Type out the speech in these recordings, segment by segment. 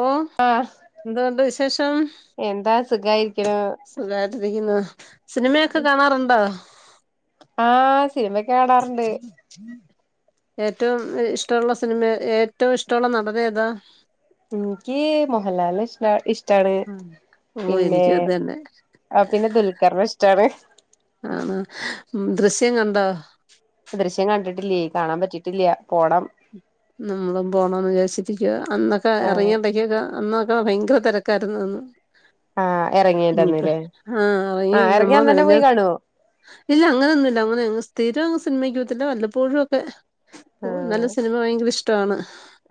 ഓ ആഹ് എന്തോ ഉണ്ട് വിശേഷം, എന്താ സുഖായിരിക്ക്ണ് സുഖായിട്ടരിക്കുന്നാ? സിനിമയൊക്കെ കാണാറുണ്ടോ? ആഹ് സിനിമക്കെ കാണാറുണ്ട്. ഏറ്റവും ഇഷ്ടമുള്ള സിനിമ ഏറ്റവും ഇഷ്ടമുള്ള നടൻ ഏതാ എൻക്ക് മോഹൻലാലിനെ ഇഷ്ടാ ഇഷ്ടാണ് ഉം. ഓ പിന്നേ എനിക്കും അത് തന്നെ ആ പിന്നെ ദുൽഖറിനെ ഇഷ്ടാണ് ആണ് ഉം, ദൃശ്യം കണ്ടോ ദൃശ്യം കണ്ടിട്ടില്ലേ കാണാൻ പറ്റിട്ടില്ല പോണം നമ്മളും പോണംന്ന് വിചാരിച്ചിരിക്കുവാ അന്നൊക്കെ ആഹ് എറങ്ങിയെടക്കൊക്കെ അന്നൊ ഓഹ് ഭയങ്കര തെരക്കായിരുന്നു അന്ന് ആഹ് ഇനീപ്പ എറങ്ങിയന്റെന്ന്ല്ലേ ആഹ്‌ അറയും ആഹ് എറങ്ങിയ നമ്മള് അന്നന്നെ മെനഞ്ഞ പോയി കാണുവോ ഇല്ല അങ്ങനൊന്നുംല്ല അങ്ങനെ അങ്ങ് സ്ഥിര സിനിമയ്ക്ക് പോവത്തില്ല വല്ലപ്പോഴുവൊക്കെ ഓഹ് ആഹ് നല്ല സിനിമ ഭയ ഇഷ്ടാണ്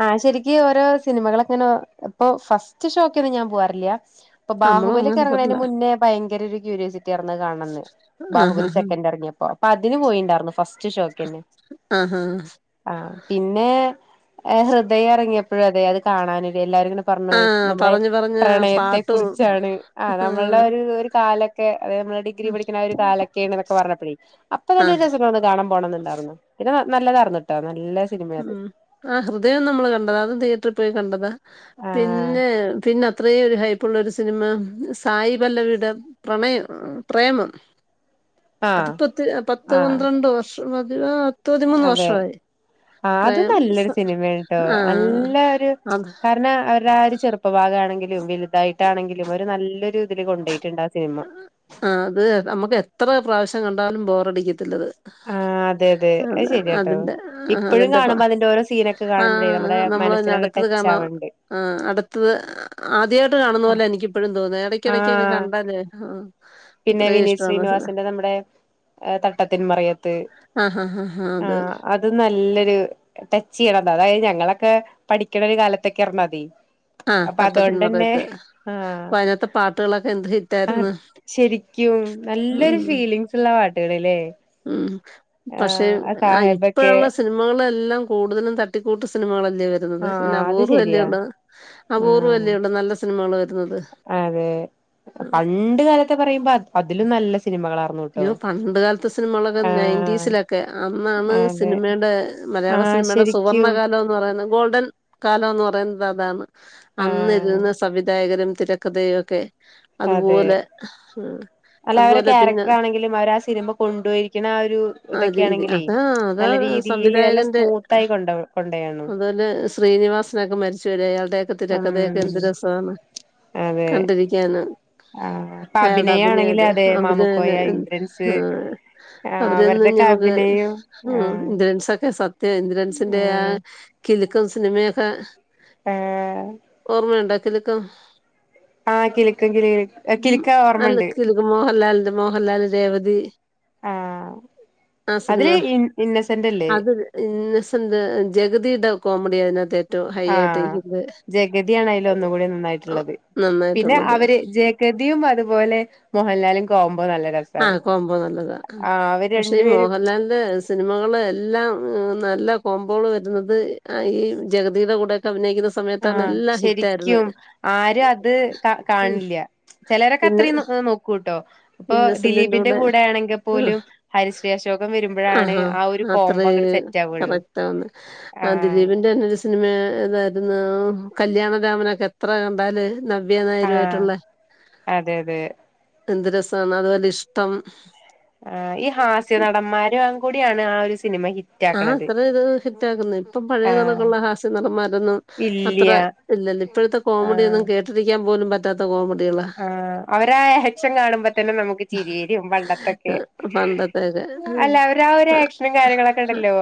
ആഹ് ശരിക്ക് ഓരോ സിനിമകളക്കങ്ങനെ ഇപ്പൊ ഫസ്റ്റ് ഷോയ്ക്കൊന്നും ഞാൻ പോവാറില്ല ഇപ്പൊ നമ്മളും അങ്ങനെ ബാഹുബലിയൊക്കെറങ്ങണേന് പോകത്തില്ല മുന്നേ ഭയങ്കരൊരു ക്യൂരിയോസിറ്റി ആയിർന്ന് കാണണംന്ന് ആ ഹാ ബാഹുബലി ഹാ സെക്കന്റ് എറങ്ങിയപ്പോ അപ്പ അതിന് പോയിണ്ടായിരുന്നു ഫസ് റ്റ് ഷോയിക്കന്നെ ആ ഹാ ആഹ്‌ പിന്നെ ഏഹ് ഹൃദയം എറങ്ങിയപ്പഴും അതെ അത് കാണാനൊര് എല്ലാരും ഇങ്ങനെ പറഞ്ഞു ആ നമ്മുടെ പറഞ്ഞ് പറഞ്ഞ് ആ പ്രണയത്തെ പാട്ടും കുറിച്ചാണ് ആ നമ്മൾടെ ആഹ് ഒരു ഒരു കാലൊക്കെ അതായത് നമ്മള് ഡിഗ്രി പഠിക്കണ ഒരു കാലൊക്കെയാണ്ന്നൊക്കെ പറഞ്ഞപ്പഴേ അപ്പൊ ആ തന്നെ രസം തോന്ന് കാണാൻ പോണംന്നുണ്ടാറുന്നു പിന്നെ നല്ലതാറ്ന്നൂട്ടോ നൽ ല്ല സിനിമയാത് അത് നമ്മള് കണ്ടതാ അത് തിയേറ്ററിൽ പോയി കണ്ടതാ ആഹ് പിന്നെ പിന്ന അത്രയും ഒരു ഉള്ള ഒരു സിനിമ സായി പല്ലവിയുടെ പ്രണയം പ്രേമം ആഹ അത് പത്ത് പത്ത് ആഹ പന്ത്രണ്ട് വർഷം പതി ആ, പത്ത് പതിമൂന്ന് അതെ വർഷമായി. ആ അതും പ്രേം സ നല്ലൊരു സിനിമയാണുട്ടോ ആഹ് നല്ല ഒരു അത് കാരണം അവരുടെ ഒരു ചെറുപ്പ ഭാഗം ആണെങ്കിലും വലുതായിട്ടാണെങ്കിലും ഒരു നല്ലൊരു ഇതിൽ കൊണ്ടോയി ആ അത് നമുക്ക് എത്ര പ്രാവശ്യം കണ്ടാലും ബോറടിക്കത്തില്ലത് ആഹ് അതെ അതെ അ അത് ശരിയാട്ടോ അതിന്റെ ആ ഇപ്പഴും അതിന്റെപ്പ കാണുമ്പോ അതിന്റെ ഓരോ സീനൊക്കെ ആ കാണുമ്പോഴേ നമ്മുടെ നമ്മൾന്നെ മനസ്സിലങ്ങ് അടുത്തത് ടച്ച് കാണ ആവണ്ട് ആ അടുത്തത് ആദ്യമായിട്ട് കാണുന്ന പോലെ എനിക്കിപ്പോഴും തോന്നുന്ന എടയ്ക്കെടയ്ക്കൊക്കെ ആഹ് കണ്ടാലേ ആ പിന്നെ അത്രയും വിനീത് ഇഷ്ടമാണ് സിനിമ ശ്രീനിവാസന്റെ നമ്മടെ തട്ടത്തിന്മറിയത്ത് ആഹ് ഹാ ഹാ ഹാ ആ അത് അത് നല്ലൊരു ടച്ച് ചെയ്യണം അ അതായത് ഞങ്ങളെ ക്കെ പഠിക്കണ ഒരു കാലത്തൊക്കെ എർണതെ ആ തട്ടത്തിൻ മറയത്ത് ആഹ് അതിനത്തെ പാട്ടുകളൊക്കെ എന്ത് ഹിറ്റ് ആരുന്നു അത് ശരിക്കും നല്ലൊരു ഫീലിംഗസ്ള്ള പാട്ടുകള് ല്ലേ പക്ഷെ ആഹ് ആ സാഹേബൊക്കെ ഇപ്പഴുള്ള സിനിമകളെ എല്ലാം കൂടുതലും തട്ടിക്കൂട്ട് സിനിമകള ആഹ് [unintelligible] അത് ശരിയാ അപൂർവല്ലേള്ളു ആഹ് അപൂർവല്ലേള്ളു നല്ല സിനിമകള് വ അതെ പണ്ട് കാലത്തെ പറയുമ്പോ അത് അതിലും നല്ല സിനിമ സിനിമകളാ ഇയോ പണ്ട് കാലത്തെ സിനിമകളൊക്കെ ആഹ് നയൻറ്റീസിലൊക്കെ അന്നാണ് അതെ സിനിമടെ മലയാള ആഹ് സിനിമടെ ശരിക്കും സുവർണ്ണകാലംന്ന് പറയുന്ന ഗോൾഡൻ കാലംന്ന് പറയുന്നത് അതാണ് ആഹ് അന്നിരുന്ന സംവിധായകരും തിരക്കഥയു ഒക്കെ അതെ അതുപോലെ ആഹ് അതുപോലെ പിന്നെ എന്നെ എങ്കിലും അവരാ ആ സിനിമ കൊണ്ടുപോയിക്കുന്ന ആ ഒരു ആ രീതി ഇതൊക്കെയാണെങ്കിലേ അതാ അതാ നല്ല രീതിൽ നല്ല സംവിധായകന്റെ സ്മൂത്ത് ആയി കൊടൊവും കൊണ്ടയന്നു അതുപോലെ അതെകത്തിലെ കഥഒക്കെ എന്ത് രസാണ് അതെ കണ്ടിരിക്കൻ ആഹ് ഇപ്പൊ അയാളുടെ അഭിനയാണെങ്കില് അഭിനഓക്കേ അതെ അതിനു മാമുക്കോയ തന്നെ ഇന്ദ്രൻസ് ആ ആഹ് അവരൊന്നും അവരുടെക്കെ ഞമുക്ക് അഭിനയം ആഹ് ഇന്ദ്രൻസ് ഒക്കെ സത്യ [unintelligible] ഇന്ദ്രൻസിന്റെ ആ ആഹ് ക ക്കും സിനിമയൊക്കെ- ആഹ് ഓർമ്മയുണ്ടോ കിലുക്കം ആ കിലുക്കം കില ക കിലുക്കം അല്ല ഓർമ്മുണ്ട് കിലുക്കം മോഹൻലാലിന്റെ മോഹൻലാൽ രേവതി ആഹ് ആ സിനിമ അതില് ഇ ഇന്നസെന്റല്ലേ അത് ഇന്നസെൻറ് ജഗതിടെ കോമഡിയ അതിനാത്തെ ആ ജഗതിയാണ് അതില് ഒന്നുകൂടി നന്നായിട്ടുള്ളത് പിന്നെ നന്നായിട്ടുള്ളത് അവര് ജഗതിയും അതും പോലെ മോഹൻലാലും കോമ്പോ നല്ല ആ രസാണ് കോമ്പോ നല്ലതാ ആഹ് അവര് പക്ഷേ ഈ രണ്ടുപേരും മോഹൻലാലിന്റെ സിനിമകള് എല്ലാം- നല്ല കോമ്പോള് വരുന്നത് ഈ ജഗതിയുടെ കൂടെയൊക്കെ അഭിനയിക്കുന്ന- ആ സമയത്താണ് എല്ലാം ശരിക്കും ഹിറ്റായിരുന്നത് ആരും അത് കാ ഉം. കാണില്ല ചിലരൊക്കെ അത്രയും നോക്കൂട്ടോ ഇപ്പൊ ഇന്നസെന്റന്റെ ദിലീപിന്റെ കൂടെ ആണെങ്കിൽ പോലും ഹരിശ്രീ അശോകം ആ അ വരുമ്പോഴാണ് ഹ ഒരു അത്ര കോംബോ അങ്ങട് സെറ്റ് ആവുള്ളൂ കറക്റ്റ് ആഹ് ദിലീപിന്റെ സിനിമ യിരുന്നു കല്യാണ രാാമനൊക്കെ എത്ര കണ്ടാല് നവ്യ നായരു ആഹ് ആയിട്ടുള്ള അതെ അതെ എന്ത്‌ രസാ എന്ന അതുപലെ ഇ [unintelligible] ആ ഈ ഹാസ്യ നടന്മാരും കൂടിയാണ് ആ ഒരു സിനിമ ഹിറ്റ് ആ ആക്കണത് അത്ര ഇത് ഹിറ്റ ആാക്കുന്നു ഇപ്പം പഴയ ആഹ് നടളക്കുള്ള ഹാസ്യ നടന്മാരൊന്നും അത്ര ഇല്ല്യ ഇല്ലല്ലോ ഇപ്പോഴത്തെ കോമഡിയൊന്നും കേട്ടിരിക്കാൻ പോലും പ റ്റാത്ത [unintelligible] ആ അവരാ ആ ആക്ഷൻ കാണുമ്പോ തന്നെ നമുക്ക് ചിരിവരും പണ്ടത്തൊക്കെ പണ്ടത്തെയൊക്കെ അല്ല അവര് ആ ഒരു ആക്ഷനും കാര്യങ്ങളൊക്കെ ഉണ്ടല്ലോ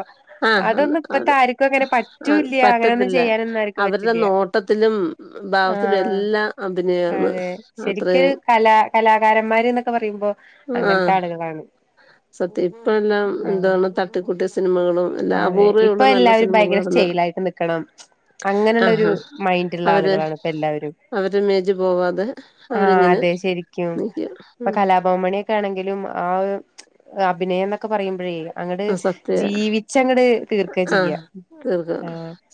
ആഹ് അതൊന്നും അത് ഇപ്പത്തെ ആർക്കും അങ്ങനെ അ പറ്റൂല്ല്യ അങ്ങനെയൊന്നും പറ്റത്തില്ല ചെയ്യാനൊന്നും ആർക്കും അവരുടെ പറ്റില്ല്യ നോട്ടത്തിലും ഭാവത്തിലും ആഹ് എല്ലാ അഭിനയമാണ് അതെ അത്രയും ശരിക്കൊരു കലാ കലാകാരന്മാര് എന്നൊക്കെ പറയുമ്പോ ആ അങ്ങനത്തെ ആളുകാണ് സത്യം ആ സിനമകൾ അതെ ഇപ്പൊ എല്ലാവരും ഭയങ്കര സ്റ്റെയില ആായിട്ട് നിക്കണം അങ്ങനെയുള്ളരു ആഹാ മൈൻഡള്ള അവര് ആളുകളാണ് ഇപ്പ എല്ലാവരും അവര് മേജ് പോവാതെ ആ അവരിങ്ങനെ അതെ ശെരിക്കും നിക്കും ഇപ്പൊ ഉം കലാഭാവൻ മണിയൊക്കെ ആണെങ്കിലും ആ അഭിനയം എന്നൊക്കെ പറയുമ്പോഴ ചെയ്യുക അങ്ങാട്ട് ആ സത്യ ജീവി [unintelligible] തീർക്ക ചെയ്യ ആഹ് തീർക്കും ആ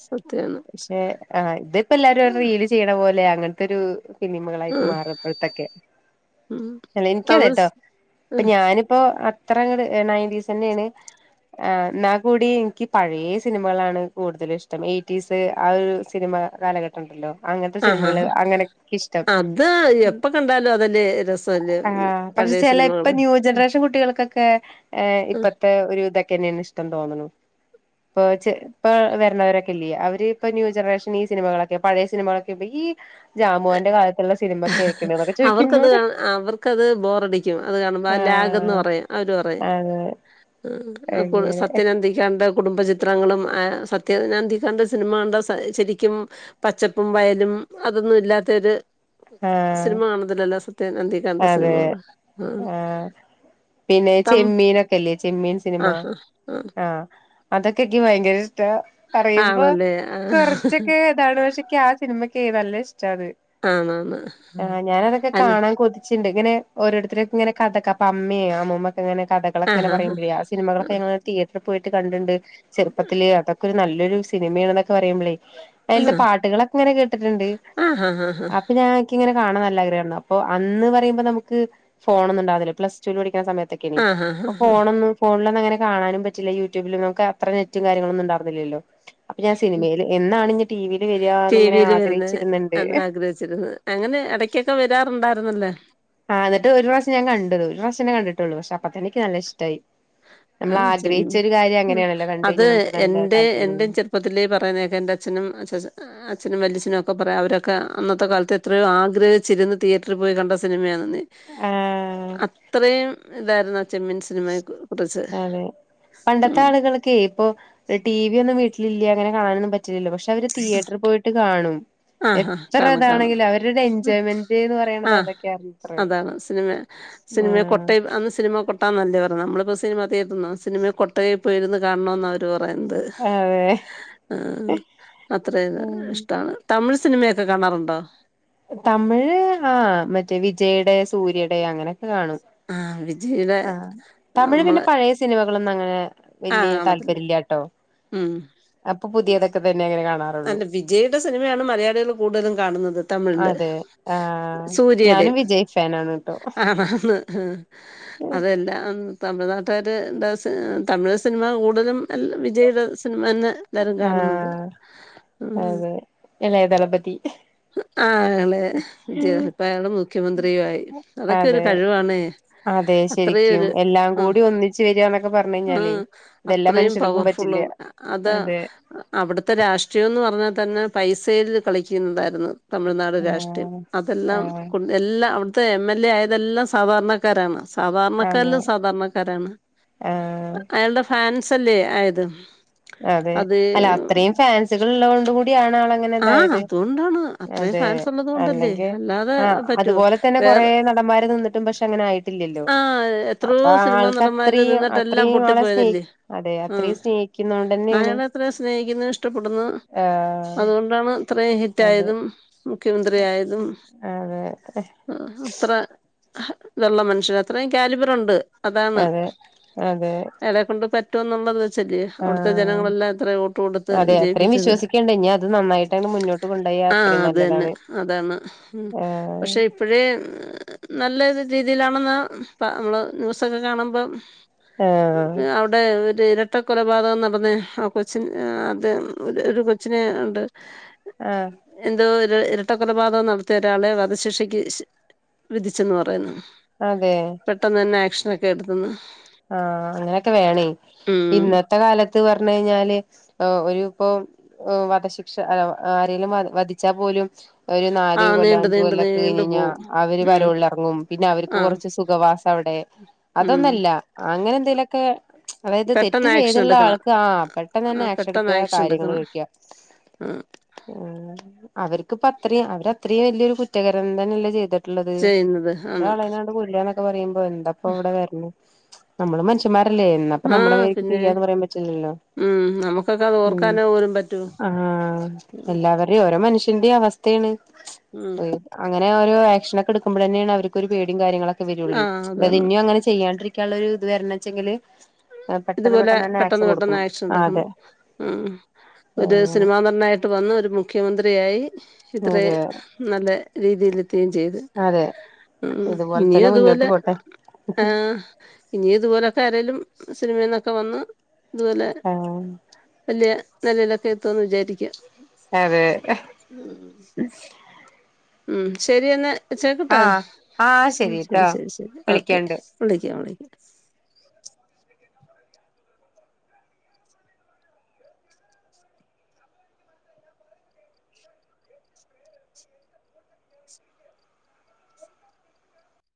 സത്യാണ് പക്ഷെ ആ ഇതിപ്പോ എല്ലാരും റീൽ ചെയ്യ ലെ അങ്ങനത്തെരു ഇനിമകളായിട്ട് ആഹ് മാറപ്പോഴത്തൊക്കെ ഉം അല്ല എനിക്ക തമിഴ് കേട്ടോ ഇപ്പൊ ആഹ് ഞാനിപ്പോ ഇത്ര അങ്ങട് എ നയൻറ്റീസ് തന്നെയാണ് ആ നാ കൂടി എനിക്ക് പഴേ സിനിമകളാണ് കൂടുതലും ഇഷ്ടം. എയ്റ്റീസ് ആ ഒരു സിനിമ കാലഘട്ടം ഉണ്ടല്ലോ അങ്ങനത്തെ ആഹ് സിനിമകള് ആഹ് അങ്ങനെക്കിഷ്ടം. അത് എപ്പ കണ്ടാലും അതല്ലേ രസല്ലേ ആ പക്ഷെ പഴയ ചെലപ്പ സിനിമകള് ന്യൂ ജനറേഷൻ കുട്ടികൾക്കൊക്കെ ഏ ഇപ്പത്തെ ഒരു ഇതൊക്കെ തന്നെയാണ് ഇഷ് തോന്നണു ഇപ്പോ ചെ പ്പോൾ വരണവരൊക്കെ ഇല്ലേ അവര്പ്പ ന്യൂ ജനറേഷൻ ഈ സിനിമകളൊക്കെ പഴയ സിനിമകളൊക്കെ ഇപ്പ ഈ ജാമുവാന്റെ കാലത്തുള്ള സിനിമയ് അവർക്കത് കാണ അവർക്കത് ബോറടിക്കും. അത് കാണുമ്പ ലാഗന്ന് ആഹ് പറയും അവര് പറയും അതെ ഇഹ് അപ്പോള് അങ്ങനെ സത്യനന്തിക്കാടിൻ്റെ കുടുംബ ചി ചിത്രങ്ങളും ആ സത്യനന്തിക്കാടിൻ്റെ സിനിമ കണ്ടാ സ ശരിക്കും പച്ചപ്പും വയലും അതൊന്നും ഇല്ലാത്തരു ആഹ് സിനിമ കാണുന്നതില്ലല്ല സത്യൻ അന്തി അതെ ആ പിന്നെ തം ചെമ്മീനൊക്കെല്ലേ ചെമ്മീൻ സിനിമ ആ അതൊക്കെ ഇക്ക് ഭയങ്കര ഇഷ്ടാ പറയുമ്പോ ആണല്ലേ ആ കൊറച്ചൊക്കെ ഇതാണ് പക്ഷേ ക്ക് ആ സിനിമക്കേ നല്ല ഇഷ് ച്ചത് ആണാണ് ആ ഹ്ങാ ഞാനതൊക്കെ അന കാണാൻ കൊതി ഇങ്ങനെ ഓരോരുത്തര് ഇങ്ങനെ കഥക്ക അപ്പ അമ്മേം അമ്മുമ്മ അങ്ങനെ കഥകളക്കിങ്ങന ആഹാ ഹാ പറയ്മ്പഴേ ഹാ സിനിമകളൊക്കെ ഞങ്ങൾ തിയേ അവ്ട പോയിട്ട് കണ്ടിണ്ട്. ചെറുപ്പത്തിലേ അതൊക്ക ഒരു നല്ലൊരു സിനിമയാണൊന്നക്ക പറയുമ്പളേ അയ്ലത്തെ പാട്ടുകളൊക്കെ ഇങ്ങനെ കേട്ടിട്ടുണ്ട്. ആ ആ ഹാ ഹാ ഹാ അപ്പ് ഞാൻ ക്ക് ഇങ്ങനെ കാണാൻ നല്ല ആഗ്രഹാര്ന്ന് അപ്പോ ആ ന്ന് പറയുമ്പ നമുക്ക് ഫോണൊന്നും ഉണ്ടാവില്ല പ്ലസ് റ്റൂല് പഠി ചെല സമയത്തേക്ക്നി ആ ഹാ ഹാ ഇപ്പ ഹാ ഫോണൊന്നും ഫോണിലന്നങ്ങനെ കാണാനും പറ്റില്ല യൂടൂബില നമുക്ക് അത്ര നെറ്റും കാര്യങ്ങളൊന്നുംണ്ടാർന്നില്ലല്ലോ വരികാന്ന് ടി ഇങ്ങനെ വിയില് വരുന്ന ആഗ്രഹിച്ചിരുന്നുണ്ട് അന്ന് ആഗ്രഹിച്ചിരുന്നു അങ്ങനെ എടക്കൊക്കെ വരാറുണ്ടായിരുന്നല്ലാ ആഹ് എന്നിട്ട് ഒരു പ്രാവശം ഞാൻ കണ്ടു ത് ഒരു പ്രാവശ ന്നെ കണ്ടിട്ടൊള്ളൂ. പഷെ അപ്പത്തന്നെ നിക്ക് നല്ല ഇഷ്ടായി. അ ആ നമ്മൾ ആഗ്രഹിച്ച ചെന്ന ഒരു കാര്യം അങ്ങനെയാണല്ലോ കണ്ട് അത് കഴിഞ്ഞാൽ നമുക്ക് നല്ല എന്റെ താല്പര്യം എൻ്റെ തോന്നും ചെറുപ്പത്തിലേ പറയുന്നകേക്കാം എൻ്റഛനും അച്ഛാഛ ആ അ അച്ഛനും വല്യഛനൊക്ക പറയാ അവരൊക്ക അ അന്നത്തെ കാലത്ത് എത്രയോ ആഗ്രഹിച്ചിരുന്നു തിയേറ്ററിൽ പോയി കണ്ട സിനിമയാണ്. നി ആഹ് അത്രയും ഇതാര്ന്ന ചെമ്മീൻ സിനിമയെ കു അതെ പണ്ടത്തെ ആളുകൾക്കെ ഇപ്പൊ ടി വി ഒന്നും വീ വീട്ടിലില്യാ അങ്ങനെ കാണാനൊന്നും പ റ്റില്ല പക്ഷെ അവര് തിയേറ്ററി പോയിട്ട് കാണും. ആഹ് ആഹ് എത്ര കാണും കാണും ഇതാണെങ്കിലും അവരുടെ എൻജോയ്മെന്റ്ന്ന് പറയണത് ആഹ് അതൊക്കെയത്ര അതാണ് സിനിമ സിനിമ ആഹ് കൊട്ടയി അന്ന് സിനിമ കൊട്ടാന്നല്ലേ നമ്മളിപ്പോ സിനിമ തീയറ്ററന്ന സിനിമ കൊട്ടെ പോയിരുന്ന് കാണണം എന്ന് അവര് പറഞ്ഞ ഇപ്പോ എന്ത് അതെ ആ അത്രയന്നു ഉം ഇഷ്ടാണ്. തമിഴ് സിനിമയൊക്കെ കാണാറുണ്ടോ തമിഴ് ആ മറ്റേ വിജയിയുടെ സൂര്യയുടെ അങ്ങനെ കാണും ആഹ് വിജയുടെ ആ തമിഴ് പിന്നെ നമ്മളെ പഴയ സിനിമ നമ്മളൊന്നും അങ്ങനെ ആഹ് വല്യ കാണത്തില്ല താല്പര്യം ഇല്ലാട്ടോ ഉം അപ്പൊ പുതിയതൊക്കെ തന്നെ അങ്ങനെ കാണാറൊ അല്ല വിജയിയുടെ സിനിമയാണ് മലയാളികള് കൂടുതലും കാണുന്ന ന്നത്. തമിഴില് അതെ ആഹ് ഞാനും സൂര്യയുടെയും വിജയ് ഫാനാണ് ട്ടോ ആ ആന്ന് അതെല്ലാം തമിഴ്നാട്ട [unintelligible] തമിഴ് സിനിമ കൂടുതലും എല്ലാം വിജയിയുടെ സിനിമ തന്നെ എല്ലാരും കാണുന്നത് ആഹ് അതെ ഇളയദളപതി ആ എളയ വിജയി ഇപ്പ അയാള് മുഖ്യമന്ത്രിയും ആയി അതൊക്കെ ഒരു അതെ കഴിവാണേ അതെ അത്രയും ശരിക്കും എല്ലാം ഒരുഉം കൂടി ഒന്നിച്ച് വരികാന്നൊക്കെ പറഞ്ഞു കഴിഞ്ഞാലേ ഉം ഇതെല്ലാ അത്രയും മനുഷ്യർക്കും പറ്റില്ല പവർഫുള്ളും അതാ അതെ അവിടുത്തെ രാഷ്ട്രീയംന്ന് പറഞ്ഞാൽ തന്നെ പൈസയിൽ കളിക്കുന്നത ന്ന്- തമിഴ്നാട് രാഷ്ട്രീയം ആഹ് അതെല്ലാം ആഹ് കൊ എല്ലാം അവിട- ത്തെ എം എൽ എ ആയതെല്ലാം സാധാരണക്കാരാണ്- അതെ സാധാരണക്കാരിലും സാധാരണക്കാരാണ് ആഹ് അയാളുടെ ഫാൻ- സല്ലേ ആയത്? അതെ അത് അല്ല അത്രയും ഫാൻസുകൾ ഉള്ളതൊണ്ട് കൂടി- ക്കൂടി ആണ് ആള് അങ്ങനെ ആ ഇതായതു അതുകൊണ്ടാണ് അത്രയും അതെ ഫാൻസ് ഉള്ളത് കൊണ്ടല്ലേ അല്ലെങ്കി അല്ലാതെ ആ പറ്റുവോ അതുപോലെ തന്നെ കൊറേ വേറെ നടന്മാര് നിന്നിട്ടും പക്ഷെ- അങ്ങനായി- ട്ടില്ലല്ലോ ആ അപ്പൊ എത്രയോ സിനിമാ ആൾക്ക് നടന്മാര് അത്രയും നിന്നിട്ടെല്ലാം അത്രയും ആളെ സ്നേഹി പൊട്ടിപ്പോയതല്ലേ അതെ ആ അത്രയും സ്നേഹി- അയാളെ അത്ര സ്നേഹിക്കുന്നു ഇഷ്ടപ്പെടുന്നു ആ അതുകൊണ്ടാണ് അത്രയും ഹിറ്റ് അതെ ആയതും- മുഖ്യമന്ത്രിയായതും അതെ അത്ര- നല്ല മ ക്ഷേ അത്രയും കാലിബറൊണ്ട്- അതാണ് അതെ അതെ അയാളെ കൊണ്ട് പറ്റ് ന്നുള്ളത്- ച്ചത് ആ അവ്ട്ത്തെ ജനങ്ങളെല്ലാം ഇത്ര വോട്ട് കൊടുത്ത് അതെ അത്രയും വിജയിപ്പിച്ചത്. വിശ്വസിക്കണ്ട് ഇനി അത് നന്നായിട്ടങ്ങ് മുന്നോട്ട് കൊണ്ടോയാ ആ അത്രയും അതെന്നെ നല്ലതാണ് അതാണ് ഉം പക്ഷെ ആ ഇപ്പഴേ നല്ലൊരു രീതിയിലാ ണന്ന് നമ്മള് ന്യൂസൊക്കെ കാണുമ്പം ആ ര് ഇരട്ട കൊലപാതകം നടന്നെ ആ കൊച്ച് ആ തെ ഒരു കൊച്ചിനെ ണ്ട് ആ ര് ഇരട്ട കൊലപാതകം നടത്തിയ ഒരാളെ വധശിക്ഷക്ക് ശ് വിധിച്ചെന്ന് പറയുന്നു അതെ പെട്ടെന്നെ ന്നെ ആക്ഷ ഒക്കെ എടുത്തെന്ന് ആ അങ്ങനെക്കെ വേണേ ഉം ഇന്നത്തെ കാലത്ത് പർഞ്ഞയ്ഞ്ഞാല് ഏ ഒരു ഇപ്പൊ വധശിക്ഷ ഏ ആരെലും വധ വധിച്ചാ പോലും ഒരു ആ നാല് കൊല്ലം നീണ്ട് അഞ്ച നീണ്ട് കൊല്ലംയൊക്കെ കഴിഞ്ഞ് നീണ്ടു കഴിഞ്ഞാൽ പോവും അവര് ഉം പരോളിലിറങ്ങും പിന്നെ അവർക്ക് ആ കുറച്ച് സുഖവാസം അവിടെ ഉം അതൊന്നല്ല അങ്ങനെ എന്തേലൊക്കെ അതായത് തെറ്റ് പെട്ടെന്ന് ആക്ഷൻ ചെയ്തുള്ള എടുക്കണം ആൾക്ക് ആ പെട്ടെന്ന് തന്നെ ആ ആക്ഷ പെട്ടെന്ന് എടുക്കാ ആക്ഷൻ കാര്യങ്ങൾ എടുക്കണം കഴിക്കാ. ആ ആഹ് അവർക്കിപ്പ അത്രയും അവരത്രയും വലിയൊരു കുറ്റകരം തന്നെല്ല ചെയ്ത ട്ടുള്ളത് ചെയ്യുന്നത് ആണ് ഒരാളെങ്ങാണ്ട് കൊല്ലാന്നൊ പറയുമ്പ- പ്പോ എന്താപ്പം ഇവിടെ വരണെ നമ്മള് മനുഷ്യമാരല്ലേ അല്ലേ എന്നാപ്പം ആ നമ്മളെ മേലേക്ക് പിന്നെ തിരിയാന്ന് പറയാൻ പറ്റില്ലല്ലോ ഉം നമുക്കൊക്കെ അത് ഉം ഓർക്കാനേ പോലും പറ്റോ ആഹ് ഉം എല്ലാവര്ടെയും ഓരോ മനുഷ് തെന്ത്‌യീ അവസ്ഥേണ്. ഉം ഉയ് അങ്ങ അങ്ങനെ ഒരു ആക്ഷനൊക്കെ എടുക്കുമ്പോഴന്നെയാണ് അവർക്കൊരു പേടിം കാര്യങ്ങളൊ ക്കെ വരൊള്ളേ ആ ഇത് അതാണ് പിന്നിം അങ്ങനെ ചെയ്യാണ്ടിരി ക്ക്യാള്ളൊരു ഇത് വരണച്ചെങ്കില് ഇതുപോലെ പെട്ടെന്ന് പെട്ടെന്ന് ആക്ഷൻ എടുക്കണം. അതെ ഉമ് ഒരു അങ്ങനെ സിനിമാ നടനായിട്ട് വന്ന് ഒരു മുഖ്യമന്ത്രി യായി ഇത്രയും അതെ നല്ല രീതിയില് എത്തേം ചെയ്ത്. അതെ ഇതുപോലെ ഇനിയും തന്നെ മുന്നോട്ട് ഇതുപോലെ പോട്ടെ ആഹ് ഇനിയും ഇതുപോലെക്കെ ആരെലും സിനിമേന്നൊക്കെ വന്ന് ഇതുപോലെ ആഹ് വലിയ നെലയിലൊക്കെ എത്തുമെന്ന് വിചാരിക്ക്യാ അതേ ലെ ഉം ശരിയെന്നാ വെച്ചേക്കട്ടേ ആഹ് ശെരി ശെരി ശരിട്ടോ ശെരി ശെരി ഓക്കെ വിളിക്കണ്ട് [unintelligible]